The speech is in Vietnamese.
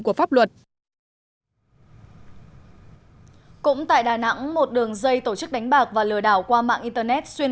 của pháp luật cũng tại đà nẵng một đường dây tổ chức đánh bạc và lừa đảo qua mạng internet xuyên